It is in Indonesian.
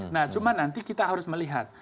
nah cuma nanti kita harus melihat